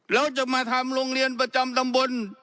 แล้วจะมาทำโรงเรียนประจำตำบล